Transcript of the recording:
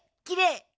きれい！